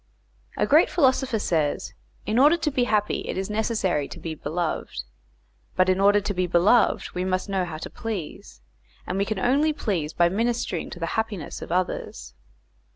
A great philosopher says, in order to be happy it is necessary to be beloved, but in order to be beloved we must know how to please, and we can only please by ministering to the happiness of others.